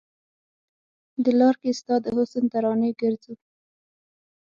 د لار کې ستا د حسن ترانې ګرځو